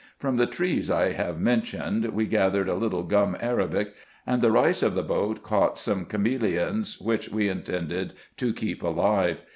From the trees I have mentioned we gathered a little gum arabic ; and the Reis of the boat caught some cameleons, which we intended to keep alive.